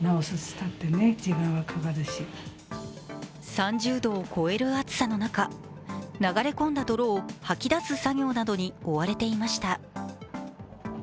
３０度を超える暑さの中、流れ込んだ泥を掃き出す作業などに追われていました。